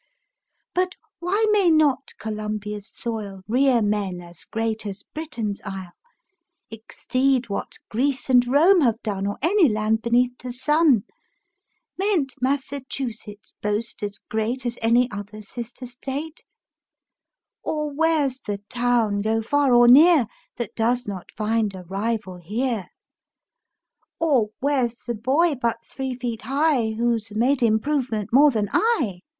But why may not Columbia's soil Rear men as great as Britain's Isle, Exceed what Greece and Rome have done Or any land beneath the sun? Mayn't Massachusetts boast as great As any other sister state? Or where's the town, go far or near, That does not find a rival here? Or where's the boy but three feet high Who's made improvement more than I?